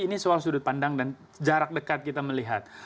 ini soal sudut pandang dan jarak dekat kita melihat